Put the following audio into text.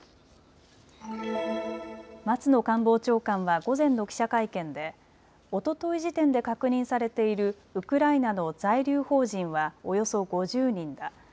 松野官房長官は午前の記者会見でおととい時点で確認されているウクライナの在留邦人はおよそ５０人だ。